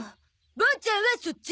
ボーちゃんはそっち。